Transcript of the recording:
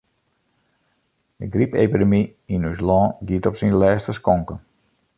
De grypepidemy yn ús lân giet op syn lêste skonken.